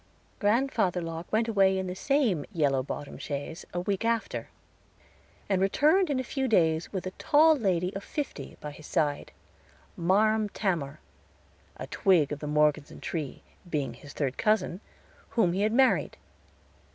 Grandfather Locke went away in the same yellow bottomed chaise a week after, and returned in a few days with a tall lady of fifty by his side "Marm Tamor," a twig of the Morgeson tree, being his third cousin, whom he had married.